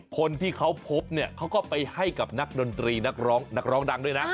คนที่เขาพบเนี่ยเขาก็ไปให้กับนักดนตรีนักร้องนักร้องดังด้วยนะ